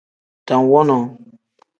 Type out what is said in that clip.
Dam wonoo.